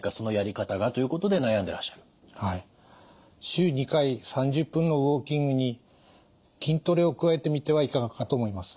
週２回３０分のウォーキングに筋トレを加えてみてはいかがかと思います。